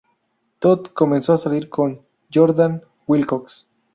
Todd comenzó a salir con Jordan Wilcox.